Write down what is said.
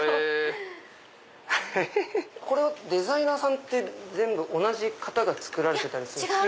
これはデザイナーさんって同じ方が作られてるんですか？